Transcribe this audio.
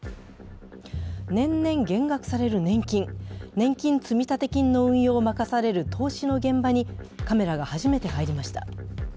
年々減額される年金、年金積立金の運用を任される投資の現場にカメラが初めて入りました。